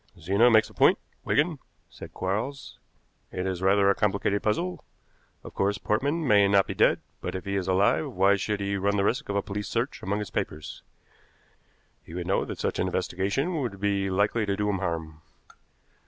"Zena makes a point, Wigan," said Quarles. "It is rather a complicated puzzle. Of course, Portman may not be dead, but if he is alive why should he run the risk of a police search among his papers? He would know that such an investigation would be likely to do him harm.